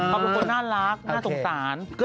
เขาเป็นคนน่ารักน่าสงสาร